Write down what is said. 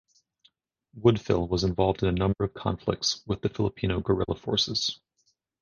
Woodfill was involved in a number of conflicts with the Filipino guerrilla forces.